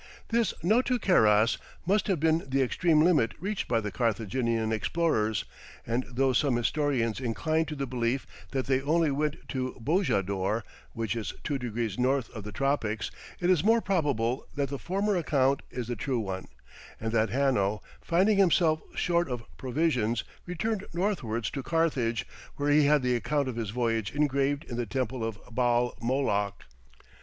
This Notu Keras must have been the extreme limit reached by the Carthaginian explorers, and though some historians incline to the belief that they only went to Bojador, which is two degrees North of the tropics, it is more probable that the former account is the true one, and that Hanno, finding himself short of provisions, returned northwards to Carthage, where he had the account of his voyage engraved in the temple of Baal Moloch.